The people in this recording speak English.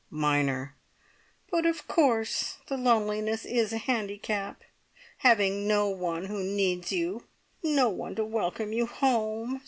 (Minor.) "But of course the loneliness is a handicap. Having no one who needs you, no one to welcome you home.